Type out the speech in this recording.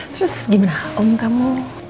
terus gimana om kamu